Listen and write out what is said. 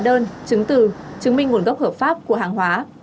hóa đơn chứng từ chứng minh nguồn gốc hợp pháp của hàng hóa